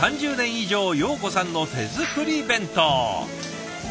以上洋子さんの手作り弁当。